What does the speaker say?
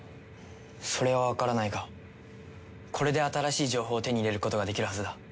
それはわからないがこれで新しい情報を手に入れることができるはずだ。